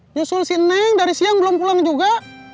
nyusul si neng dari siang belum pulang juga